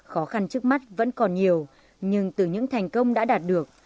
khó khăn trước mắt vẫn còn nhiều nhưng từ những thành công đã đạt được